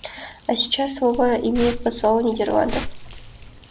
А сейчас слово имеет посол Нидерландов.